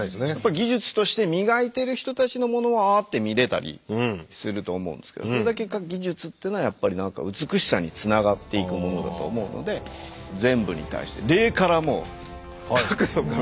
技術として磨いてる人たちのものは見れたりすると思うんですけどそれだけ技術っていうのは美しさにつながっていくものだと思うので全部に対して。